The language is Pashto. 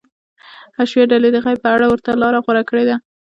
حشویه ډلې د غیب په اړه ورته لاره غوره کړې ده.